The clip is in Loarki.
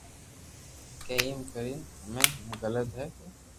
ڪي ايم ڪين ھي ڪي تو غلط ڪي